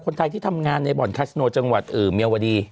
คนไทยที่ทำงานในบ่อนคัสโนจังหวัดเมียวดี